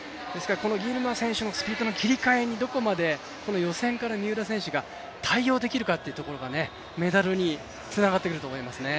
このギルマ選手のスピードの切り替えにどこまで予選から三浦選手が対応できるかっていうところがメダルにつながってくると思いますね。